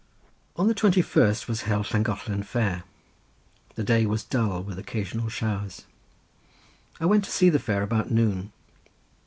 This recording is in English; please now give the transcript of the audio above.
On the twenty first was held Llangollen Fair. The day was dull with occasional showers. I went to see the fair about noon.